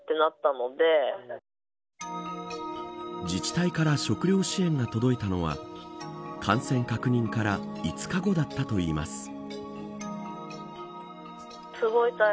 自治体から食料支援が届いたのは感染確認から５日後だったといいます。